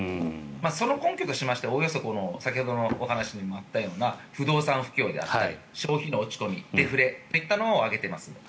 その根拠としてはおおよそ先ほどのお話にもあったような不動産不況であったり消費の落ち込みデフレというのを挙げています。